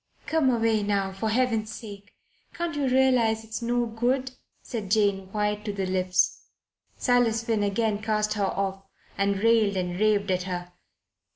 "Come away now, for Heaven's sake. Can't you realize it's no good?" said Jane, white to the lips. Silas Finn again cast her off and railed and raved at her.